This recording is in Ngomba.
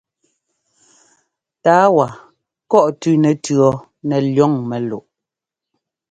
Tǎa wa kɔ̂ʼ tʉ́ nɛtʉ̈ nɛ liɔŋ mɛ́luʼ.